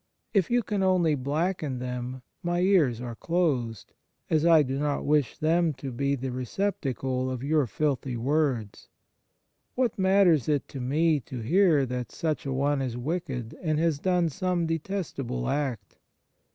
If you can only blacken them, my ears are closed, as I do not wish them to be the receptacle of your filthy words. What matters it to me to hear that such a one is wicked, and has done some detestable act